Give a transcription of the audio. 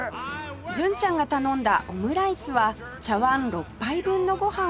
純ちゃんが頼んだオムライスは茶わん６杯分のご飯を使用